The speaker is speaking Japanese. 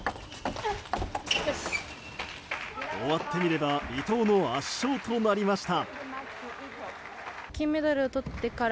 終わってみれば伊藤の圧勝となりました。